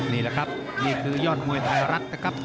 นี่แหละครับนี่คือยอดมวยไทยรัฐนะครับ